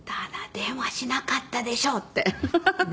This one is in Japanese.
「電話しなかったでしょ」って。